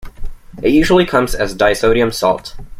It usually comes as disodium salt.